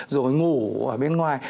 rồi ngủ ở bên ngoài